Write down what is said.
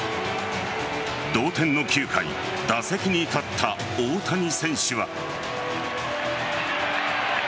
同点の９回打席に立った大谷選手は。